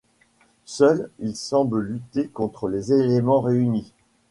Seul, il semble lutter contre les éléments réunis.